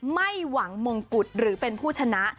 ไม่หวังมงกุฎหรือเป็นผู้ชนะ